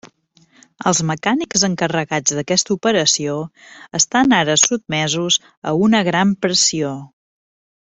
Els mecànics encarregats d'aquesta operació estan ara sotmesos a una gran pressió.